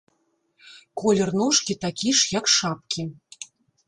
Колер ножкі такі ж, як шапкі.